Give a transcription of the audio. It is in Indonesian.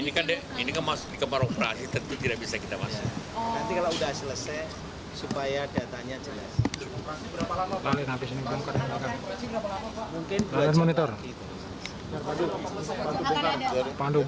nah ini kan dikemar operasi tentu tidak bisa kita masuk